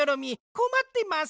こまってます。